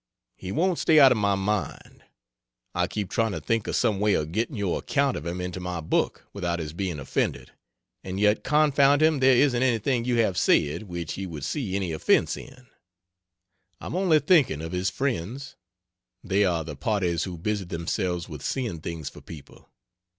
He won't stay out of my mind. I keep trying to think of some way of getting your account of him into my book without his being offended and yet confound him there isn't anything you have said which he would see any offense in, I'm only thinking of his friends they are the parties who busy themselves with seeing things for people.